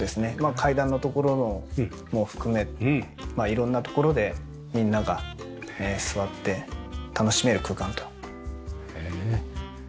階段のところのも含め色んなところでみんなが座って楽しめる空間と。